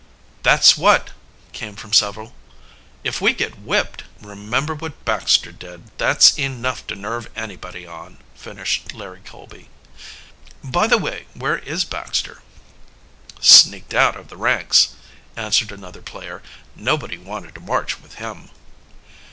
"That's what!" came from several. "If we get whipped " "Remember what Baxter did that's enough to nerve anybody on," finished Larry Colby. "By the way, where is Baxter?" "Sneaked out of the ranks," answered another player. "Nobody wanted to march with him."